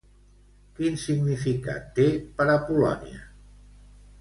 Quin significat té per a Polònia?